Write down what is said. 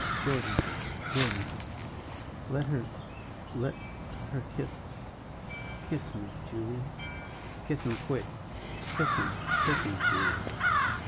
Gordon, Gordon, let her let her kiss kiss me, Julia." "Kiss him, quick; kiss him, kiss him, Julia."